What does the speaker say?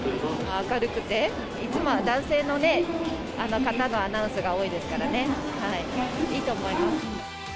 明るくて、いつもは男性の方のアナウンスが多いですからね、いいと思います。